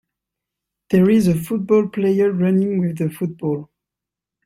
There is a football player running with the football.